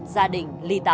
gia đình ly tán